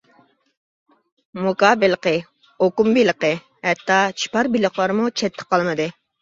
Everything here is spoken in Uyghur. موكا بېلىقى، ئوكۇن بېلىقى، ھەتتا چىپار بېلىقلارمۇ چەتتە قالمىدى.